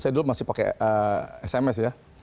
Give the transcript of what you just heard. saya dulu masih pakai sms ya